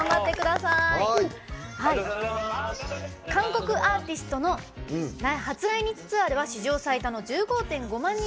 韓国アーティストの初来日ツアーでは史上最多の１５．５万人を動員するんだそうです。